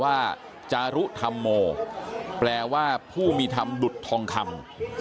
ว่าจารุธัณฑมโหมแปลว่าผู้มีธรรมดุทองคำ